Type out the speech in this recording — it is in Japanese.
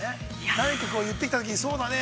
何か、言ってきたときにそうだね。